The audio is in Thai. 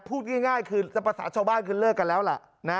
พูดง่ายคือภาษาชาวบ้านคือเลิกกันแล้วล่ะ